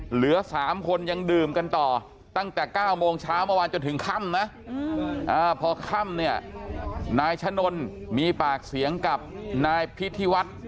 เหลือ๓คนยังดื่มกันต่อตั้งแต่๙โมงเช้าเมื่อวานจนถึงค่ำนะพอค่ำเนี่ยนายชะนนมีปากเสียงกับนายพิธีวัฒน์